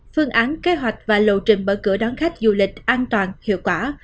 phương án kế hoạch và lộ trình mở cửa đón khách du lịch an toàn hiệu quả